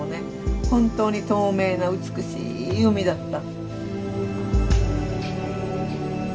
本当に透明な美しい海だった。